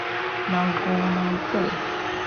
流汗流洘